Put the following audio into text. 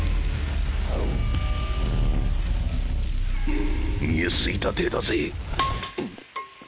ふん見え透いた手だぜ